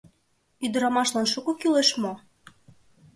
Ӱдырамашлан шуко кӱлеш мо?..